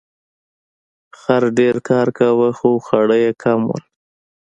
خر ډیر کار کاوه خو خواړه یې کم وو.